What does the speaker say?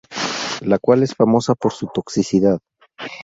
La cual es famosa por su toxicidad.